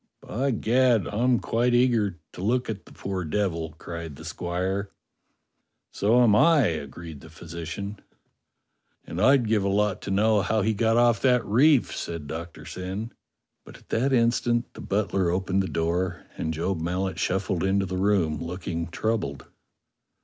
"By Gad! I'm quite eager to look at the poor devil!" cried the squire. CLEGG THE BUCCANEER 53 "So am I," agreed the physician. "And I'd give a lot to know how he got off that reef," said Doctor Syn. But at that instant the butler opened the door, and Job Mallet shuffled into the room, looking troubled.